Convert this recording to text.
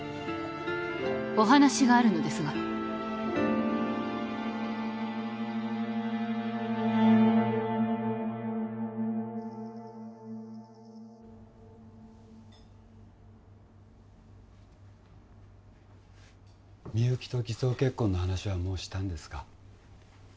お話があるのですがみゆきと偽装結婚の話はもうしたんですか？